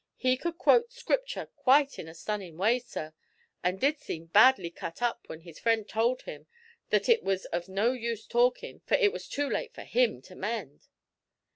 He could quote Scripture quite in a stunnin' way, sir; an' did seem badly cut up when his friend told him that it was of no use talkin', for it was too late for him to mend."